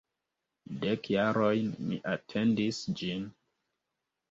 Dek jarojn mi atendis ĝin!